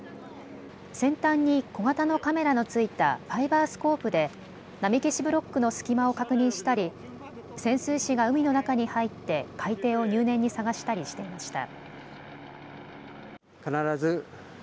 先端に小型のカメラの付いたファイバースコープで波消しブロックの隙間を確認したり潜水士が海の中に入って海底を入念に捜したりしていました。